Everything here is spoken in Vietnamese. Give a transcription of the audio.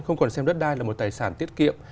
không còn xem đất đai là một tài sản tiết kiệm